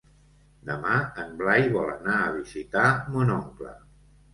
Demà en Blai vol anar a visitar mon oncle.